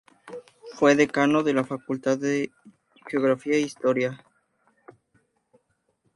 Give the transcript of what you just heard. Fue decano de la Facultad de Geografía e Historia.